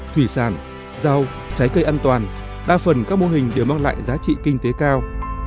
thủy sản rau trái cây an toàn đa phần các mô hình đều mang lại giá trị kinh tế cao